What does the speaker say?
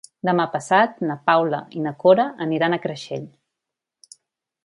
Demà passat na Paula i na Cora aniran a Creixell.